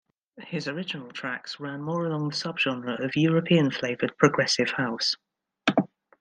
His original tracks ran more along the subgenre of European-flavoured progressive house.